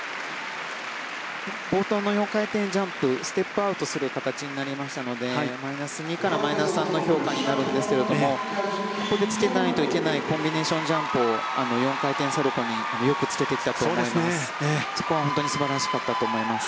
冒頭の４回転ジャンプステップアウトする形になりましたのでマイナス２からマイナス３の評価になるんですけれどもここでつけないといけないコンビネーションジャンプを４回転サルコウによくつけてきたと思います。